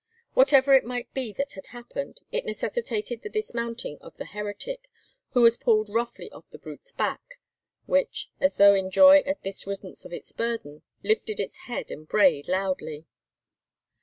Whatever it might be that had happened, it necessitated the dismounting of the heretic, who was pulled roughly off the brute's back, which, as though in joy at this riddance of its burden, lifted its head and brayed loudly.